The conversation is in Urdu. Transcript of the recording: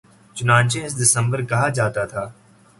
چنانچہ اسے دسمبر کہا جاتا تھا